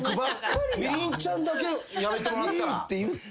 みりんちゃんだけやめてもらったら。